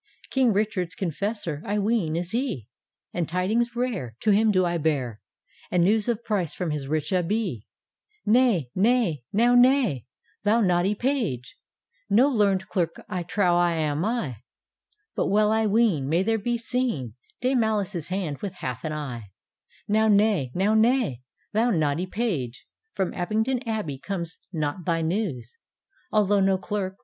King Richard's confessor, I ween, is he, And tidings rare To him do I bear. And news of price from his ridi Ab beel" "Now nay, now nay, thou naughty Page I No learned clerk I trow am I, But well I ween May there be seen Dame Alice's hand with half an eye; Now nay, now nay, thou naughty Page, From Abingdon Abbey comes not thy news|. Although no clerk.